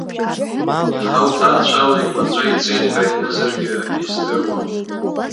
Иаха уҭаацәа леикәанҵәа ицеит ҳәа ианызаргьы издыруам!